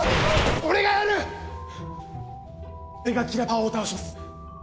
俺がキラパワを倒します！